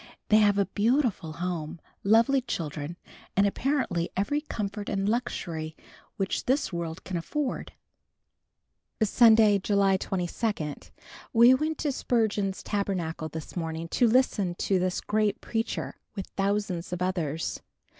They have a beautiful home, lovely children and apparently every comfort and luxury which this world can afford. Sunday, July 22. We went to Spurgeon's Tabernacle this morning to listen to this great preacher, with thousands of others.